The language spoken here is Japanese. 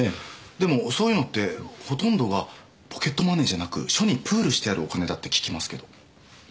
でもそういうのってほとんどがポケットマネーじゃなく署にプールしてあるお金だって聞きますけど。